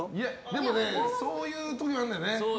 でもねそういう時あるんだよね。